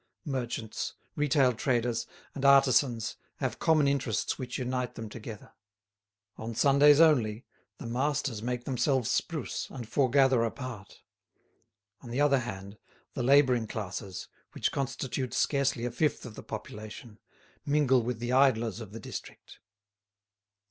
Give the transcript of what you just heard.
Merchants, retail traders, and artisans have common interests which unite them together. On Sundays only, the masters make themselves spruce and foregather apart. On the other hand, the labouring classes, which constitute scarcely a fifth of the population, mingle with the idlers of the district.